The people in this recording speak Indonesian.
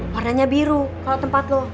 warnanya biru kalau tempat lo